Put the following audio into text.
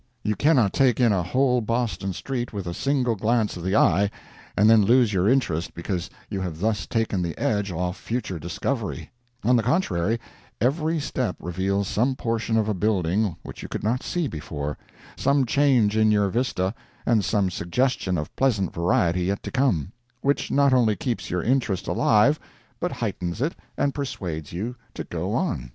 You cannot take in a whole Boston street with a single glance of the eye and then lose your interest because you have thus taken the edge off future discovery; on the contrary, every step reveals some portion of a building which you could not see before, some change in your vista, and some suggestion of pleasant variety yet to come, which not only keeps your interest alive but heightens it and persuades you to go on.